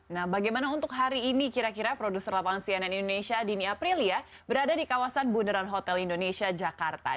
nah bagaimana untuk hari ini kira kira produser lapangan cnn indonesia dini aprilia berada di kawasan bundaran hotel indonesia jakarta